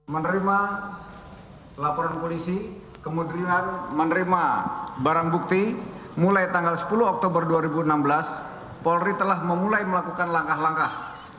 menerima laporan polisi kemudian menerima barang bukti mulai tanggal sepuluh oktober dua ribu enam belas polri telah memulai melakukan langkah langkah